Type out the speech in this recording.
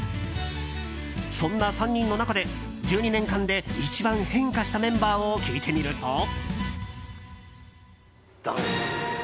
そんな３人の中で１２年間で一番変化したメンバーを聞いてみると。